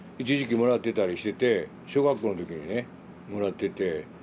一時期もらってたりしてて小学校の時にねもらってて。